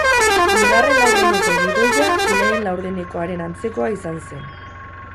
Bigarren laurdeneko gidoia lehen laurdenekoaren antzekoa izan zen.